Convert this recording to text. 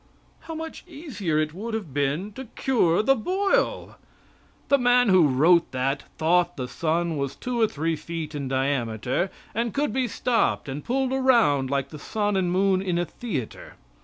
How much easier it would have been to cure the boil. The man who wrote that thought the sun was two or three feet in diameter, and could be stopped and pulled around like the sun and moon in a theatre.